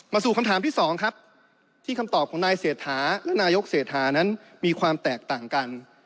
สู่คำถามที่สองครับที่คำตอบของนายเศรษฐาและนายกเศรษฐานั้นมีความแตกต่างกัน